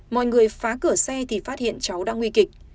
mọi người phá cửa xe thì phát hiện cháu đang nguy kịch